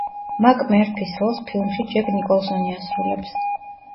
მაკ მერფის როლს ფილმში ჯეკ ნიკოლსონი ასრულებს.